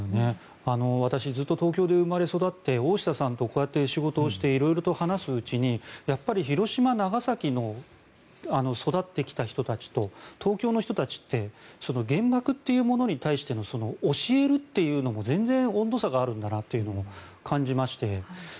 私ずっと東京で生まれ育って大下さんとこうやって仕事をしていろいろと話すうちにやっぱり広島、長崎に育ってきた人たちと東京の人たちって原爆というものに対しての教えるというのも全然温度差があるんだなと感じまして。